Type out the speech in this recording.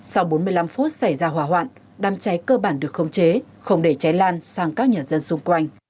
sau bốn mươi năm phút xảy ra hỏa hoạn đám cháy cơ bản được khống chế không để cháy lan sang các nhà dân xung quanh